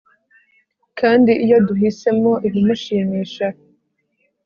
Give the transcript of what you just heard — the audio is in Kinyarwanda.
kandi iyo duhisemo ibimushimisha